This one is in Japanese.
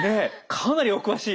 かなりお詳しい。